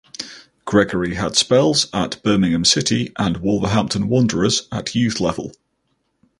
Gregory had spells at Birmingham City and Wolverhampton Wanderers at youth level.